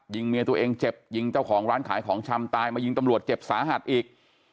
เมียตัวเองเจ็บยิงเจ้าของร้านขายของชำตายมายิงตำรวจเจ็บสาหัสอีก